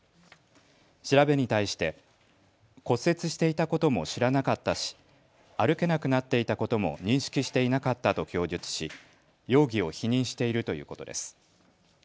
調べに対して骨折していたことも知らなかったし歩けなくなっていたことも認識していなかったと供述し容疑を否認しているということです。